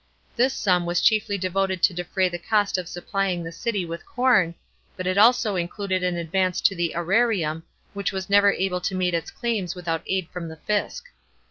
This sum was chiefly devoted to defray the cost of supplying the city with corn, but it also included an advance to the aerarium, which was never able to meet its claims without aid from the fisc.